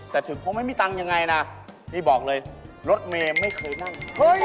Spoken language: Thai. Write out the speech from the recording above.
แต่ถึงคงไม่มีตังค์ยังไงนะพี่บอกเลยรถเมย์ไม่เคยนั่ง